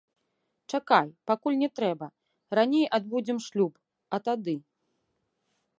Чакай, пакуль не трэба, раней адбудзем шлюб, а тады.